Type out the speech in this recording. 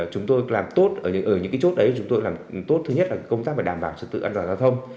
chúng tôi làm tốt ở những cái chốt đấy chúng tôi làm tốt thứ nhất là công tác đảm bảo sự tự ẩn dòi giao thông